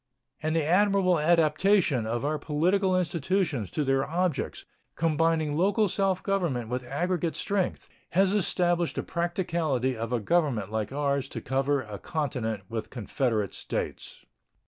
And the admirable adaptation of our political institutions to their objects, combining local self government with aggregate strength, has established the practicability of a government like ours to cover a continent with confederate states.